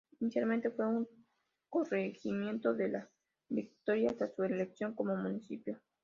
Inicialmente, fue un corregimiento de La Victoria hasta su erección como municipio.